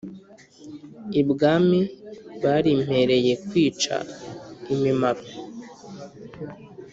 ibwami barimpereye kwica imimaro.